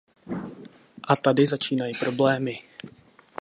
A tady začínají problémy.